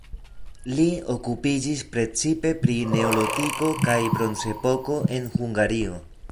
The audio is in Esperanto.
Li okupiĝis precipe pri neolitiko kaj bronzepoko en Hungario.